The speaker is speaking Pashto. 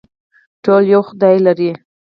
ټول یو خدای لري